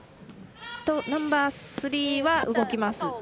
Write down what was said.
ナンバースリーは動きます。